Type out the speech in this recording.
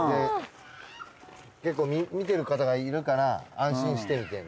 結構見てる方がいるから安心してみたいな。